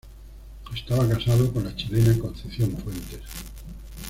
Estaba casado con la chilena Concepción Fuentes.